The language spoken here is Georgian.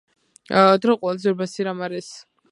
დრო ყველაზე ძვირფასი რამ არის